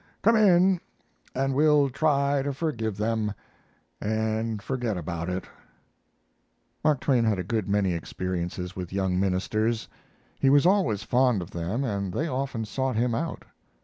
Come in and we'll try to forgive them and forget about it." Mark Twain had a good many experiences with young ministers. He was always fond of them, and they often sought him out.